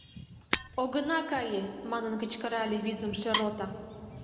— Огына кае! — манын кычкырале визымше рота.